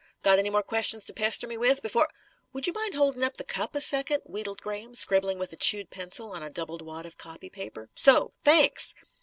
Got any more questions to pester me with, b'fore " "Would you mind holding up the cup, a second?" wheedled Graham, scribbling with a chewed pencil on a doubled wad of copy paper. "So! Thanks!"